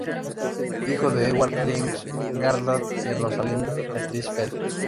Hijo de Ewart James Garland y de Rosalind Beatrice Fell.